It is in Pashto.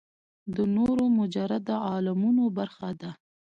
د نورو مجرده عالمونو برخه ده.